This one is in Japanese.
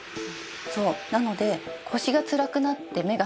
そうなので。